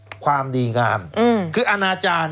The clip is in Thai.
แล้วเขาก็ใช้วิธีการเหมือนกับในการ์ตูน